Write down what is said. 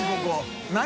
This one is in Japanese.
┐何？